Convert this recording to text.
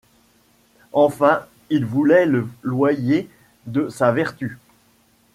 Enfin, il voulait le loyer de sa vertu !